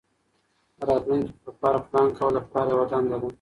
د راتلونکي لپاره پلان کول د پلار یوه دنده ده.